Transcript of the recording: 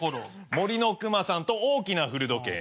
「森のくまさん」と「大きな古時計」ね。